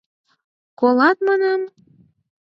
Колат, манам?